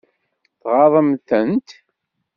Tɣaḍem-tent?